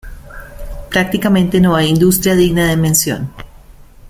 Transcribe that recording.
Prácticamente no hay industria digna de mención.